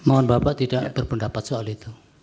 mohon bapak tidak berpendapat soal itu